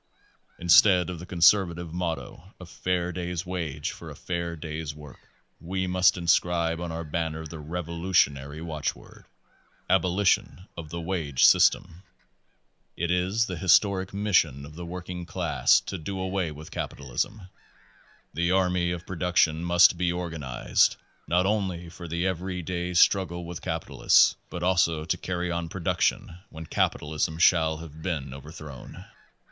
Instead of the conservative motto, "A fair day's age for a fair day's work," we must inscribe on our banner the revolutionary watchword, "Abolition of the wage system." It is the historic mission of the working class to do away with capitalism. The army of production must be organized, not only Tor the every day strug gle with capitalists, but also to carry on production when capitalism shall have been overthrown.